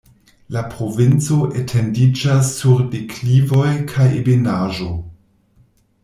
La provinco etendiĝas sur deklivoj kaj ebenaĵo.